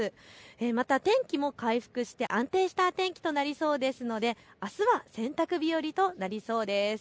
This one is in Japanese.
また天気も回復して安定した天気となりそうなのであすは洗濯日和となりそうです。